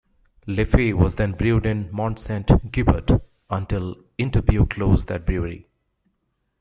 Leffe was then brewed in Mont-Saint-Guibert until Interbrew closed that brewery.